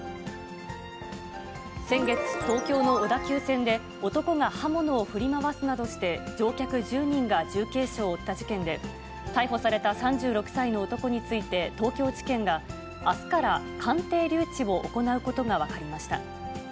先月、東京の小田急線で、男が刃物を振り回すなどして乗客１０人が重軽傷を負った事件で、逮捕された３６歳の男について、東京地検があすから鑑定留置を行うことが分かりました。